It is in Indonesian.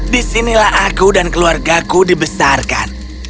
di sinilah aku dan keluargaku dibesarkan